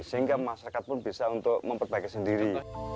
sehingga masyarakat pun bisa untuk memperbaiki sendiri